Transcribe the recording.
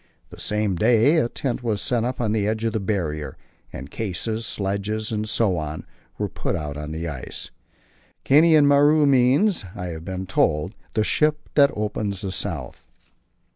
The same day a tent was set up on the edge of the Barrier, and cases, sledges, and so on, were put out on the ice. Kainan Maru means, I have been told, "the ship that opens the South."